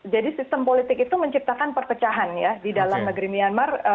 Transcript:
jadi sistem politik itu menciptakan perpecahan ya di dalam negeri myanmar